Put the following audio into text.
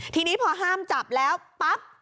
ทีนี้พอห้ามจับแล้วปั๊บ